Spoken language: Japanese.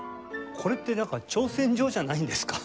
これってなんか挑戦状じゃないんですか？